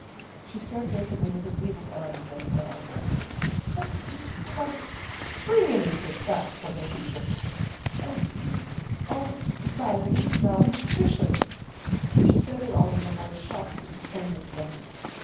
She stared vacantly at her bleeding arm and then at my automatic. "But you can't bring anything back from the future. And you aren't dying of malnutrition." She said it all in a voice shocked into toneless wonder.